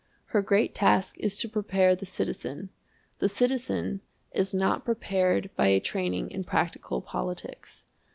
Her great task is to prepare the citizen. The citizen is not prepared by a training in practical politics.